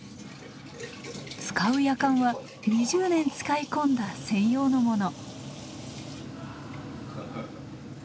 使うやかんは２０年使い込んだ専用のもの。